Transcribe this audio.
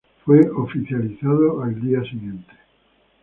Fue oficializado al día siguiente.